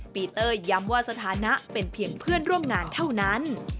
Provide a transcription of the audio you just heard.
ปีเตอร์ย้ำว่าสถานะเป็นเพียงเพื่อนร่วมงานเท่านั้น